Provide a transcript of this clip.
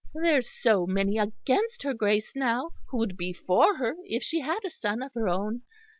There's so many against her Grace now who'd be for her if she had a son of her own.